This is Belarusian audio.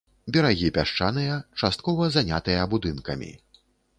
Берагі пясчаныя, часткова занятыя будынкамі.